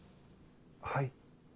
はい。